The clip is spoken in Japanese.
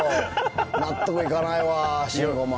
納得いかないわ、シンゴマン。